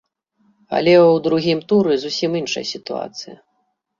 Але ў другім туры зусім іншая сітуацыя.